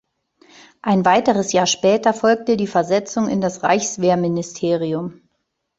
Ein weiteres Jahr später folgte die Versetzung in das Reichswehrministerium.